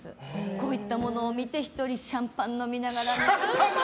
こういったものを見て１人シャンパン飲みながら。